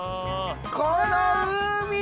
この海！